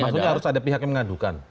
maksudnya harus ada pihak yang mengadukan